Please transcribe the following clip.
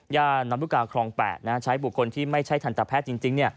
ลำลูกกาคลอง๘ใช้บุคคลที่ไม่ใช่ทันตแพทย์จริง